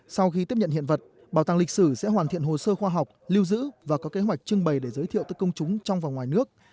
sau khi tiếp nhận hiện vật bảo tàng lịch sử sẽ hoàn thiện hồ sơ khoa học lưu giữ và có kế hoạch trưng bày để giới thiệu tới công chúng trong và ngoài nước